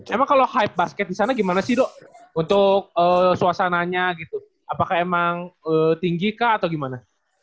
emang kalau hype basket di sana gimana sih dok untuk suasananya gitu apakah emang tinggi kah atau gimana